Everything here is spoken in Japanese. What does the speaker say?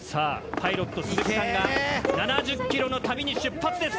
パイロット鈴木さんが７０ｋｍの旅に出発です！